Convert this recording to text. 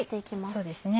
そうですね。